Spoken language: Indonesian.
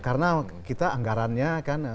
karena kita anggarannya kan